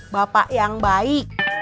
bapak yang baik